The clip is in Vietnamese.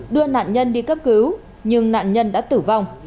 đưa nạn nhân đi cấp cứu nhưng nạn nhân đã tử vong